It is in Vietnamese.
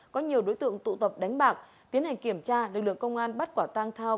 có nhiều đối tượng tụ tập đánh bạc tiến hành kiểm tra lực lượng công an bắt quả tang thao